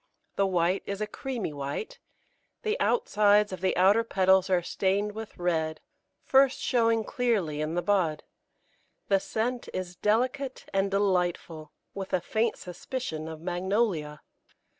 The white is a creamy white, the outsides of the outer petals are stained with red, first showing clearly in the bud. The scent is delicate and delightful, with a faint suspicion of Magnolia.